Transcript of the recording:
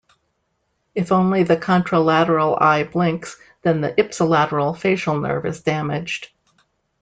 If only the contralateral eye blinks, then the ipsilateral facial nerve is damaged.